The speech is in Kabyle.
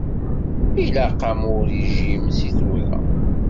Ilaq-am urijim seg tura.